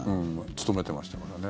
勤めてましたからね。